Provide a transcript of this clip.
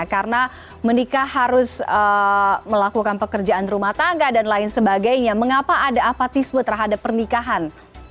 karena menikah harus melakukan pekerjaan rumah tangga dan lain sebagainya mengapa ada apatisme terhadap pernikahan